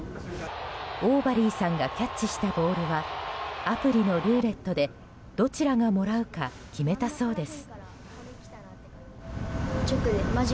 オーバリーさんがキャッチしたボールはアプリのルーレットでどちらがもらうか決めたそうです。